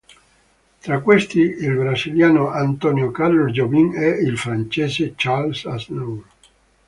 Tra questi il brasiliano Antônio Carlos Jobim e il francese Charles Aznavour.